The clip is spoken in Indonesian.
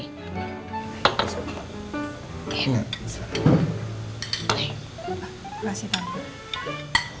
terima kasih pak